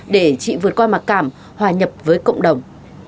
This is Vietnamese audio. để chị vượt qua mặc cảm hòa nhập với cộng đồng